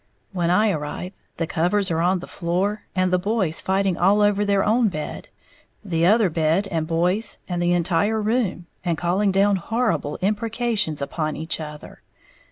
When I arrive, the covers are on the floor, and the brothers fighting all over their own bed, the other bed and boys, and the entire room, and calling down horrible imprecations upon each other.